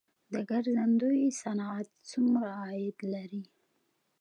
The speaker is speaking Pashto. د ګرځندوی صنعت څومره عاید لري؟